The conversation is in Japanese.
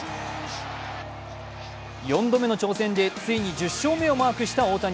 ４度目の挑戦でついに１０勝目をマークした大谷。